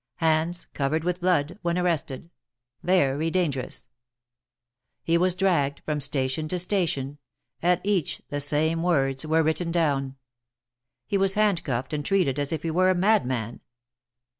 Hands covered with blood when arrested. Very dangerous." He was dragged from station to station ; at each the same words were written down. He was hand cuffed and treated as if he were a madman.